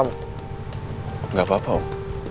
tidak apa apa om